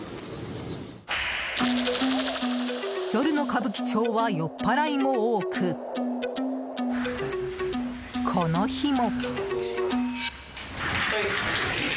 夜の歌舞伎町は酔っ払いも多くこの日も。